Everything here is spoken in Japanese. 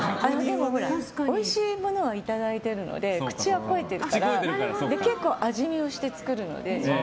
おいしいものをいただいているので口は肥えてるから結構味見をして作るので。